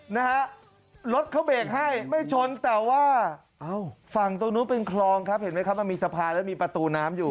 นะฮะรถเขาเบรกให้ไม่ชนแต่ว่าฝั่งตรงนู้นเป็นคลองครับเห็นไหมครับมันมีสะพานแล้วมีประตูน้ำอยู่